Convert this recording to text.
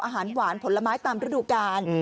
อาหารหวานผลไม้ตามฤดูกาล